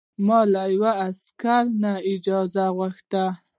ما له یوه عسکر نه اجازه وغوښته.